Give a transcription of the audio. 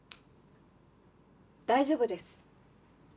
大丈夫です。